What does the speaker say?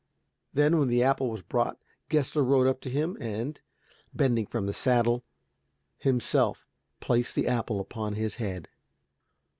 Then, when the apple was brought, Gessler rode up to him and, bending from the saddle, himself placed the apple upon his head.